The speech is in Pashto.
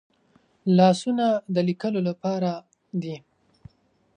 لاسونه د لیکلو لپاره دي